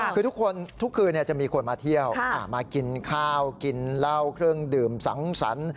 คือทุกคนทุกคืนจะมีคนมาเที่ยวมากินข้าวกินเหล้าเครื่องดื่มสังสรรค์